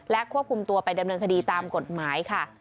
ควบคุมตัวไปดำเนินคดีตามกฎหมายค่ะ